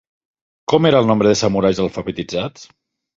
Com era el nombre de samurais alfabetitzats?